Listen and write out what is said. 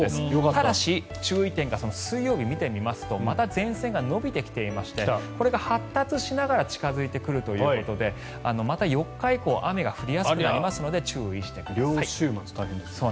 ただし、注意点が水曜日を見てみますとまた前線が延びてきていましてこれが発達しながら近付いてくるということでまた４日以降雨が降りやすくなりますので両週末、大変。